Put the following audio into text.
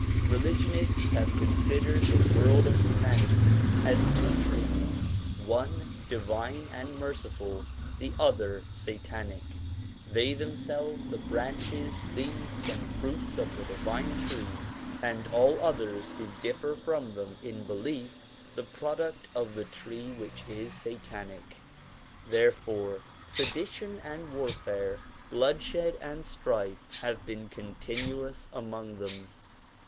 Religionists have considered the world of humanity as two trees, one divine and merciful, the other satanic; they themselves the branches, leaves and fruit of the divine tree and all others who differ from them in belief, the product of the tree which is satanic. Therefore sedition and warfare, bloodshed and strife have been continuous among them.